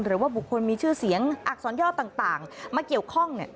หรือว่าบุคคลมีชื่อเสียงอักษรย่อต่างมาเกี่ยวข้องเนี่ย